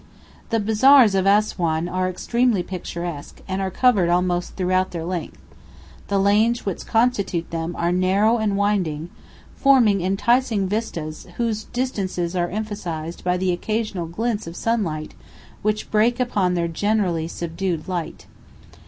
The bazaars of Assuan are extremely picturesque, and are covered almost throughout their length; the lanes which constitute them are narrow and winding, forming enticing vistas whose distances are emphasized by the occasional glints of sunlight which break in upon their generally subdued light.